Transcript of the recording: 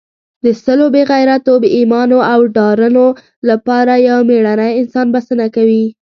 د سلو بې غیرتو، بې ایمانو او ډارنو لپاره یو مېړنی انسان بسنه کوي.